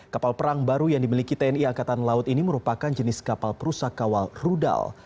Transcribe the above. kapal perang baru yang dimiliki tni angkatan laut ini merupakan jenis kapal perusa kawal rudal